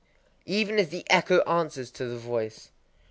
_ Even as the echo answers to the voice.